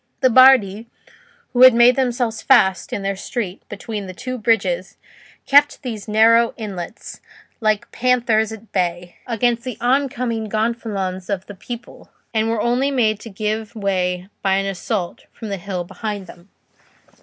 The Bardi, who had made themselves fast in their street between the two bridges, kept these narrow inlets, like panthers at bay, against the oncoming gonfalons of the people, and were only made to give way by an assault from the hill behind them.